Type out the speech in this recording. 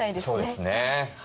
そうですね。